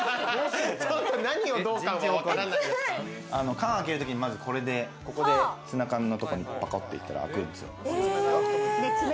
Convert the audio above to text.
缶あけるときに、まず、これでツナ缶のところにパコってやったら開くんですよ。